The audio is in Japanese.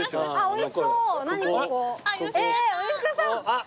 おいしそう。